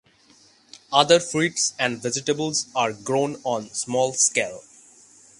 Other fruits and vegetables are grown on small scale.